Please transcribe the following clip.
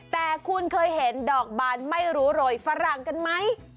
แต่คุณเคยเห็นดอกบานไม่รู้โรยฝรั่งกันไหม